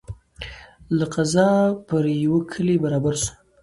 له قضا پر یوه کلي برابر سو